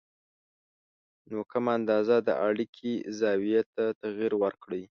نو کمه اندازه د اړیکې زاویې ته تغیر ورکړئ